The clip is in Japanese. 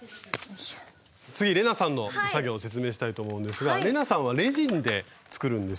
次玲奈さんの作業を説明したいと思うんですが玲奈さんはレジンで作るんですけど。